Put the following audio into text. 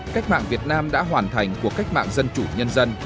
cách mạng việt nam đã hoàn thành cuộc cách mạng dân chủ nhân dân